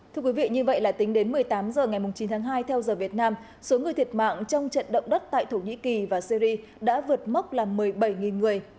thưa quý vị như vậy là tính đến một mươi tám h ngày chín tháng hai theo giờ việt nam số người thiệt mạng trong trận động đất tại thổ nhĩ kỳ và syri đã vượt mốc là một mươi bảy người